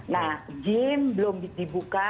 nah gym belum dibuka